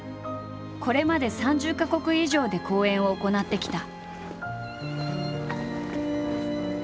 これまで３０か国以上で公演を行ってきた。